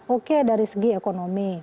oke dari segi ekonomi